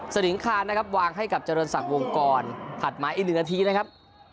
ลิงคานนะครับวางให้กับเจริญศักดิ์วงกรถัดมาอีกหนึ่งนาทีนะครับ